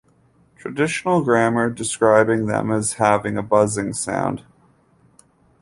Traditional grammars describing them as having a "buzzing" sound.